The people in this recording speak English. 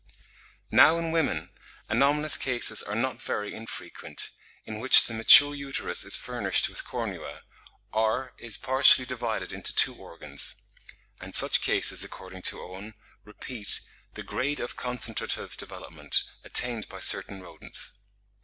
Now in women, anomalous cases are not very infrequent, in which the mature uterus is furnished with cornua, or is partially divided into two organs; and such cases, according to Owen, repeat "the grade of concentrative development," attained by certain rodents.